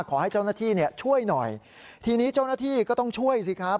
ขอให้เจ้าหน้าที่ช่วยหน่อยทีนี้เจ้าหน้าที่ก็ต้องช่วยสิครับ